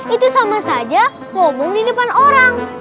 itu sama saja ngomong di depan orang